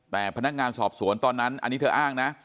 แต่พนักงานสอบสวนตอนนั้นอันนี้เธออ้างนะ